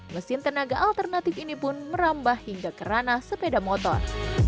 mesin tenaga alternatif ini pun merambah hingga kerana sepeda motor